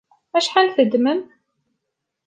Acḥal teddmem?